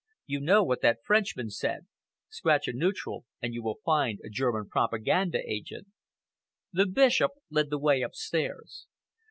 You know what that Frenchman said? 'Scratch a neutral and you find a German propaganda agent!'" The Bishop led the way upstairs.